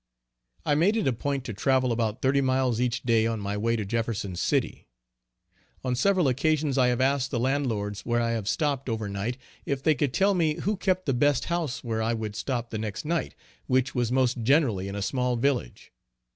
I made it a point to travel about thirty miles each day on my way to Jefferson city. On several occasions I have asked the landlords where I have stopped over night, if they could tell me who kept the best house where I would stop the next night, which was most generally in a small village.